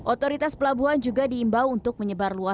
otoritas pelabuhan juga diimbau untuk menyebar luas